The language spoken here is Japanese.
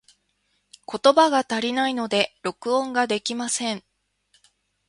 言葉が足りないので、録音ができません。